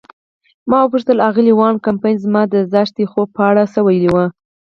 ما وپوښتل: آغلې وان کمپن زما د څاښتي خوب په اړه څه ویلي وو؟